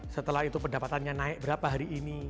setelah itu pendapatannya naik berapa hari ini